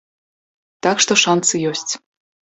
Так што шансы ёсць.